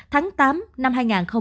tháng tám năm hai nghìn hai mươi một